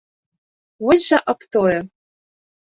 Вось жа аб тое.